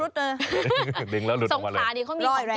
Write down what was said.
สงขาเขามีออกปิดอร่อย